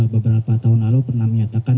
beberapa tahun lalu pernah menyatakan